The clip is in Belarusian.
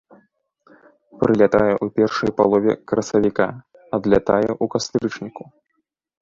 Прылятае ў першай палове красавіка, адлятае ў кастрычніку.